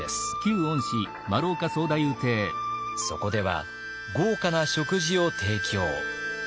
そこでは豪華な食事を提供。